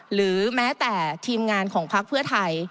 หรือแม้แต่ทีมงานของพักเพื่อไทย